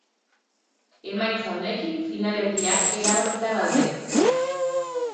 Emaitza honekin finalerdiak erabakita daude.